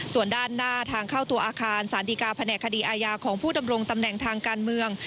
ส่วนด้านหน้าทางเข้าตัวอาคารสารดีกาแผนกคดีอาญาของผู้ดำรงตำแหน่งทางการเมือง